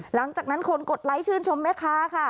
หลังจากนั้นคนกดไลค์ชื่นชมแม่ค้าค่ะ